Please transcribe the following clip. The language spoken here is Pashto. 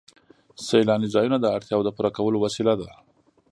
سیلاني ځایونه د اړتیاوو د پوره کولو وسیله ده.